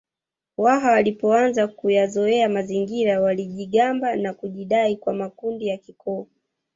Waha walipoanza kuyazoea mazingira walijigamba na kujidai kwa makundi ya kikoo